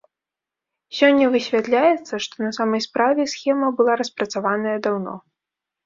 Сёння высвятляецца, што на самай справе схема была распрацаваная даўно.